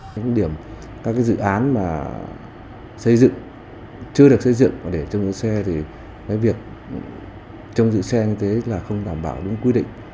những điểm các dự án mà xây dựng chưa được xây dựng để trông giữ xe thì cái việc trông giữ xe như thế là không đảm bảo đúng quy định